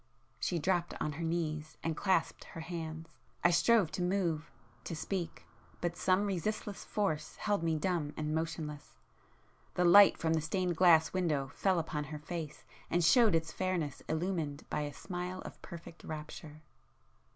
She dropped on her knees—and clasped her hands,—I strove to move,—to speak,—but some resistless force held me dumb and motionless;—the light from the stained glass window fell upon her face, and showed its fairness illumined by a smile of perfect rapture.